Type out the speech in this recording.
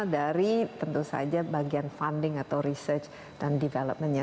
dari tentu saja bagian funding atau research dan developmentnya